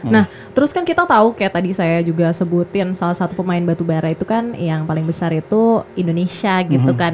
nah terus kan kita tahu kayak tadi saya juga sebutin salah satu pemain batubara itu kan yang paling besar itu indonesia gitu kan ya